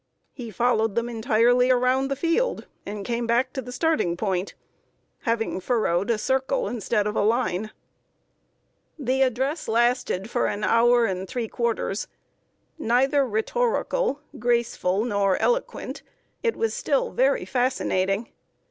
He followed them entirely around the field, and came back to the starting point, having furrowed a circle instead of a line! [Sidenote: HIGH PRAISE FROM AN OPPONENT.] The address lasted for an hour and three quarters. Neither rhetorical, graceful, nor eloquent, it was still very fascinating.